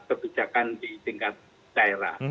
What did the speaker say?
kebijakan di tingkat daerah